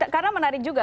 karena menarik juga